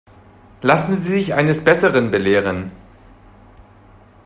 Lassen Sie sich eines Besseren belehren.